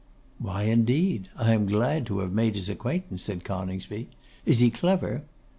'Why, indeed? I am glad to have made his acquaintance,' said Coningsby. 'Is he clever?